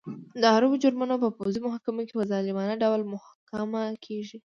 د عربو جرمونه په پوځي محکمه کې په ظالمانه ډول محاکمه کېږي.